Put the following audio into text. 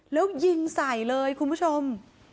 แล้วยิงใส่เลยคุณผู้ชม